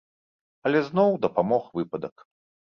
Але зноў дапамог выпадак.